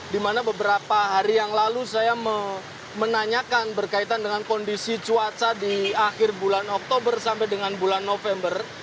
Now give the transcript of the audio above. di mana beberapa hari yang lalu saya menanyakan berkaitan dengan kondisi cuaca di akhir bulan oktober sampai dengan bulan november